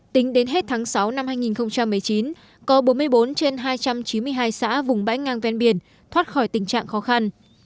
tính đến hết tháng sáu năm hai nghìn một mươi chín có bốn mươi bốn trên hai trăm chín mươi hai xã vùng bãi ngang ven biển thoát khỏi tình trạng khó khăn